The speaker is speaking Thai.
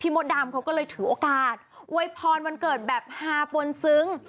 มดดำเขาก็เลยถือโอกาสอวยพรวันเกิดแบบฮาปวนซึ้ง